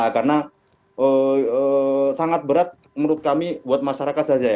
karena sangat berat menurut kami buat masyarakat saja ya